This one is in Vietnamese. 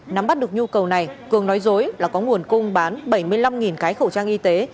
nắm bắt được nhu cầu này cường nói dối là có nguồn cung bán bảy mươi năm cái khẩu trang y tế